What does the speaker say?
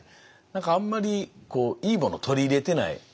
何かあんまりいいものを取り入れてない。